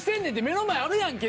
目の前あるやんけ